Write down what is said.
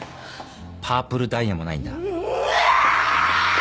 パープルダイヤもないんだ。